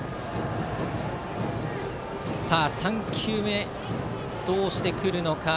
３球目、どうしてくるのか。